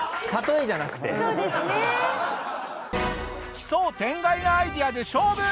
奇想天外なアイデアで勝負！